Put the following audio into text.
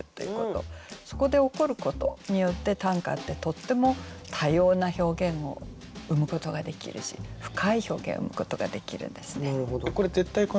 そこで起こることによって短歌ってとっても多様な表現を生むことができるし深い表現を生むことができるんですね。